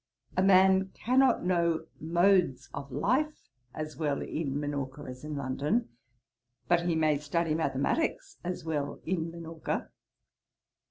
A man cannot know modes of life as well in Minorca as in London; but he may study mathematicks as well in Minorca.'